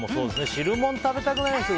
汁物食べたくなりますね